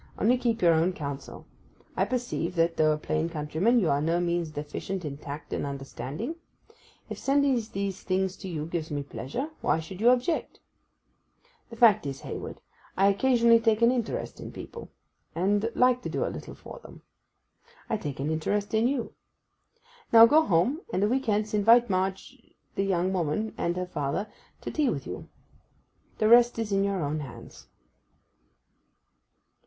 Only keep your own counsel. I perceive that, though a plain countryman, you are by no means deficient in tact and understanding. If sending these things to you gives me pleasure, why should you object? The fact is, Hayward, I occasionally take an interest in people, and like to do a little for them. I take an interest in you. Now go home, and a week hence invite Marg—the young woman and her father, to tea with you. The rest is in your own hands.